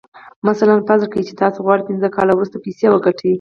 مثلاً فرض کړئ چې تاسې غواړئ پينځه کاله وروسته پيسې وګټئ.